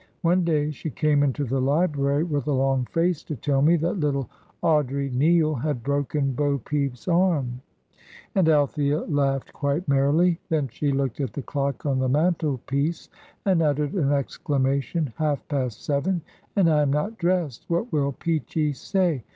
One day she came into the library with a long face to tell me that little Audrey Neale had broken Bopeep's arm;" and Althea laughed quite merrily; then she looked at the clock on the mantelpiece, and uttered an exclamation: "Half past seven, and I am not dressed. What will Peachey say?